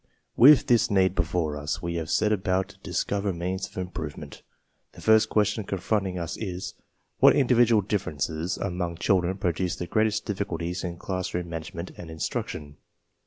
"™ With this need before us, we have set about to dis cover means of improvement. The first question con fronting us is, "What individual differences among children produce the greatest difficulties in classroom management and instruction?"